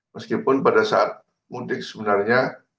meskipun pada saat mudik sebenarnya